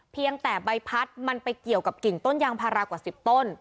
เพียงแต่ใบพัดมันไปเกี่ยวกับกิ่งต้นยางพารากว่า๑๐ต้น